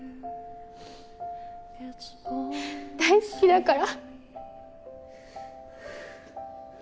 大好きだから。